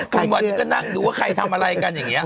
ทุกวันนี้ก็นั่งดูว่าใครทำอะไรกันอย่างนี้